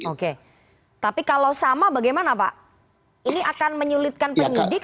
oke tapi kalau sama bagaimana pak ini akan menyulitkan penyidik